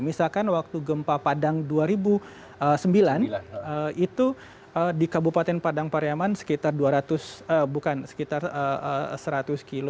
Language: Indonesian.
misalkan waktu gempa padang dua ribu sembilan itu di kabupaten padang pariaman sekitar dua ratus bukan sekitar seratus kilo